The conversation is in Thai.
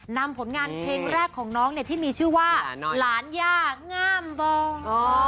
นำผลงานเพลงแรกของน้องที่มีชื่อว่าหลานย่างามบอง